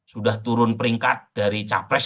sudah turun peringkat dari capres